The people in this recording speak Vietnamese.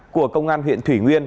của công an huyện thủy nguyên